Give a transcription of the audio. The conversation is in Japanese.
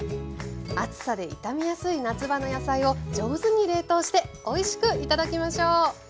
暑さで傷みやすい夏場の野菜を上手に冷凍しておいしく頂きましょう。